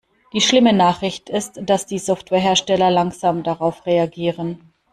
Die schlimme Nachricht ist, dass die Softwarehersteller langsam darauf reagieren.